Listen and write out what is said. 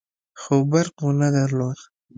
خو برق مو نه درلود.